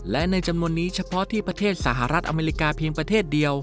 และในจำนวนนี้เฉพาะที่ประเทศสหรัฐอเมริกาเพียงประเทศเดียว